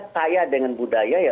kaya dengan budaya ya